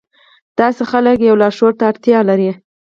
داسې خلک يوه لارښود ته اړتيا لري.